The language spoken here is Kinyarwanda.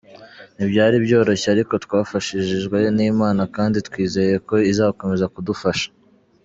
Ntibyari byoroshye ariko twafashijwe n’Imana kandi twizeye ko izakomeza kudufasha.